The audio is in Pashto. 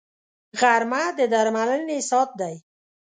غرمه د درملنې ساعت دی